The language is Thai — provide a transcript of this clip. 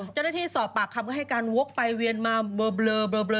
จนที่สอบปากคำก็ให้การโว๊กไปเวียนมาเบอร์เบอร์